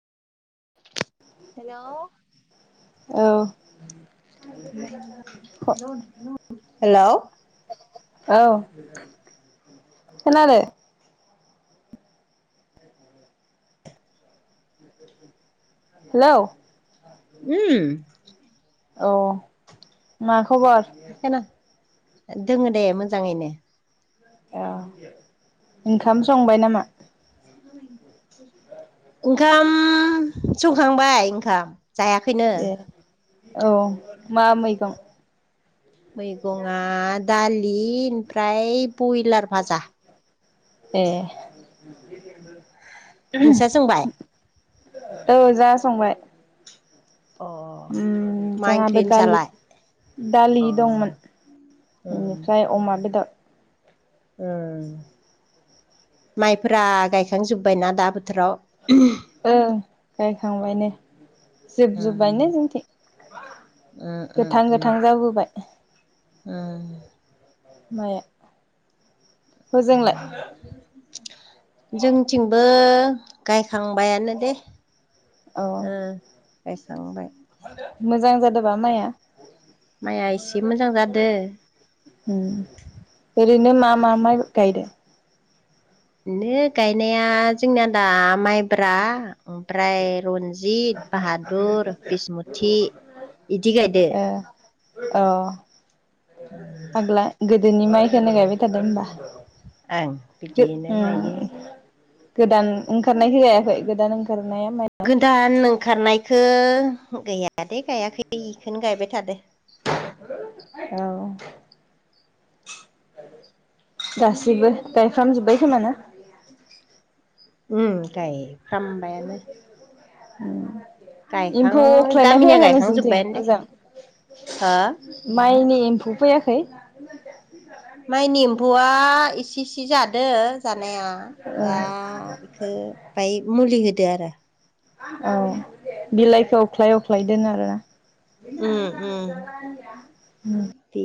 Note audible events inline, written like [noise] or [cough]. हेल' औ हेल' [inaudible] औ खोनादो? हेलौ उम औ मा खबर। खोना दोङो दे मोजाङैनो। औ ओंखाम संबाय नामा? ओंखाम संखांबाय ओंखाम जायाखै। दे औ मा मैगं? मैगंआ दालि ओमफ्राय बयलार भाजा। ए नोंस्रा संबाय औ जोहा संबाय। अ उम मा ओंख्रि जोंहाबो दालि नोंसालाय दालि अ दंमोन। उम इनिफ्राय अमा बेदर। ओं माइफ्रा गायखांजोब्बायना दा बोथोराव। ओं गायखांबायनो जोबजोबबाय उम नो जोंथिं। उम उम गोथां उम गोथां जाबोबाय। उम। माया? जोंथिंबो गायखांबायानो दे। औ ओ गायखांबाय। मोजां जादो बा माइआ? माइया एसे मोजां जादों। उम ओरैनो मा मा माय गायदों? बिनो गायनाया जोंनाया दा माइब्रा ओमफ्राय रन जित, बाहादुर, बिसमुथि इदि गायदों। औ। आग्ला गोदोनि माइखौनो गायबाय थादो होमबा। ओं [unintelligible] बिदिनो गायो उम गोदान ओंखारनायखौ जायाखै गोदान ओंखारनाया मा दान ओंखारनायखौ गैया दे गायाखै बेखौनो गायबाय थादो। औ। गासिबो गायफ्रामजोब्बाय खोमा ना? उम गाय उम। गायखां एम्फौ अख्लायनाय गामिनिया फैयाखै नोंसिनिथिं गायखांजोब्बायानो दे ओजों? हो माइनि एम्फौ फैयाखै? मायनि इम्फौआ इसे इसे जादो‌ जानाया औ दा एखो बाय मुलि होदो आरो। औ बिलाइखौ अख्लाय अख्लाय दोनो आरोना। उम उम [unintelligible] उम